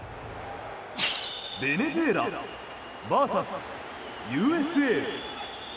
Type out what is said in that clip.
ベネズエラＶＳＵＳＡ。